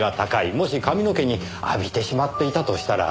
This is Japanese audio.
もし髪の毛に浴びてしまっていたとしたら。